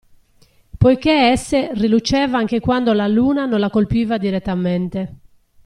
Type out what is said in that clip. Poiché esse riluceva anche quando la luna non la colpiva direttamente.